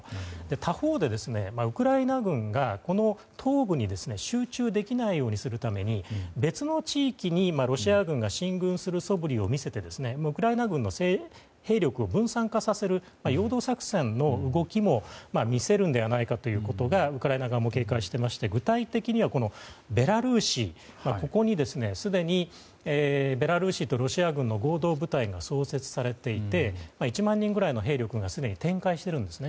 他方で、ウクライナ軍がこの東部に集中できないようにするために別の地域に今ロシア軍が進軍するそぶりを見せてウクライナ軍の兵力を分散化させる陽動作戦の動きも見せるのではないかということがウクライナ側も警戒していまして具体的にはベラルーシにすでにベラルーシとロシア軍の合同部隊が創設されていて１万人ぐらいの兵力がすでに展開しているんですね。